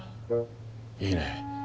いいね！